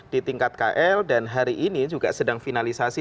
di tingkat kl dan hari ini juga sedang finalisasi